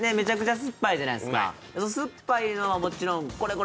酸っぱいのはもちろん、これ